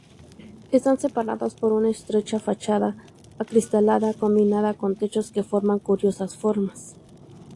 Están separadas por una estrecha fachada acristalada combinada con techos que forman curiosas formas.